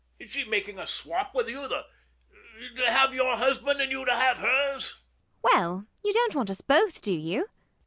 Is she making a swop with you she to have your husband and you to have hers? ELLIE. Well, you don't want us both, do you?